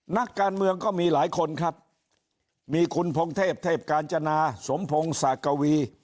นักการเมืองก็มีหลายคนครับมีคุณพงเทพเทพกาญจนาสมพงศากวี